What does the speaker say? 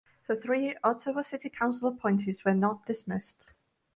The three Ottawa City Council appointees were not dismissed.